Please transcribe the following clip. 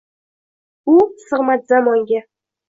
U sig’madi zamonga.